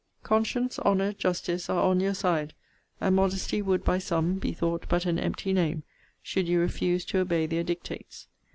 Conscience, honour, justice, are on your side: and modesty would, by some, be thought but an empty name, should you refuse to obey their dictates.